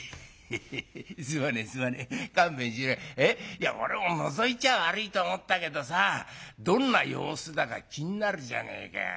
いや俺ものぞいちゃ悪いと思ったけどさどんな様子だか気になるじゃねえか。